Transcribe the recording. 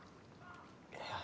いや。